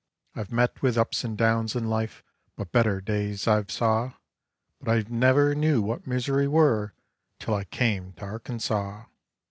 I've met with ups and downs in life but better days I've saw, But I've never knew what misery were till I came to Arkansaw.